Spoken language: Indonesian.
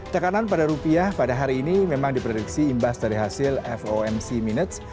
tekanan pada rupiah pada hari ini memang diprediksi imbas dari hasil fomc minutes